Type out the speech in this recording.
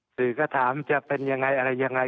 สือก็ถามจะเป็นอย่างไรอะไรอย่างไร